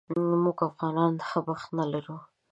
موږ افغانان ښه بخت نه لرو